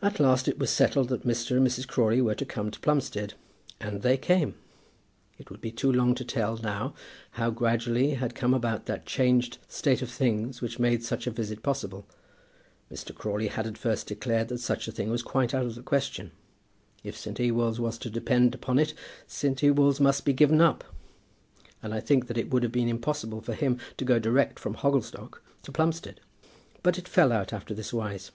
At last it was settled that Mr. and Mrs. Crawley were to come to Plumstead, and they came. It would be too long to tell now how gradually had come about that changed state of things which made such a visit possible. Mr. Crawley had at first declared that such a thing was quite out of the question. If St. Ewolds was to depend upon it St. Ewolds must be given up. And I think that it would have been impossible for him to go direct from Hogglestock to Plumstead. But it fell out after this wise.